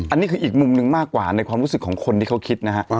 อันนี้คืออีกมุมหนึ่งมากกว่าในความรู้สึกของคนที่เขาคิดนะฮะ